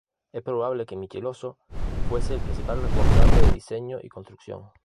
Es probable que Michelozzo fuese el principal responsable de diseño y construcción.